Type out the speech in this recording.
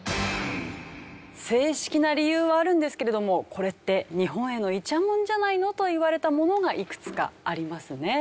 正式な理由はあるんですけれどもこれって日本へのイチャモンじゃないの？といわれたものがいくつかありますね。